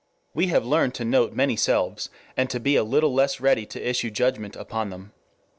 We have learned to note many selves, and to be a little less ready to issue judgment upon them.